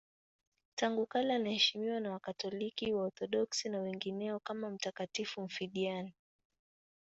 Tangu kale anaheshimiwa na Wakatoliki, Waorthodoksi na wengineo kama mtakatifu mfiadini.